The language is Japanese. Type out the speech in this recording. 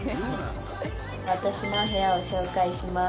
私の部屋を紹介します。